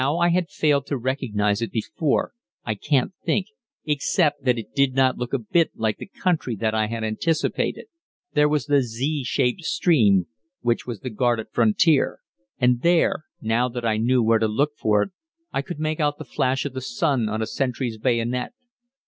How I had failed to recognize it before I can't think, except that it did not look a bit like the country that I had anticipated. There was the Z shaped stream, which was the guarded frontier, and there, now that I knew where to look for it, I could make out the flash of the sun on a sentry's bayonet.